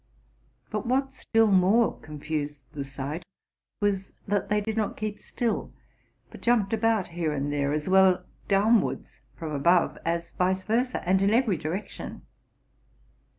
But what still more confused the sight was, that they did not keep still, but jumped about here and there, as well downwards from above as vice versa, and in every direction.